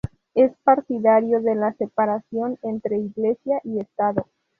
Es partidario de la separación entre Iglesia y Estado.